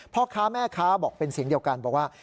พ่อค้าแม่ค้าบอกเป็นเสียงเดียวกันบอกว่า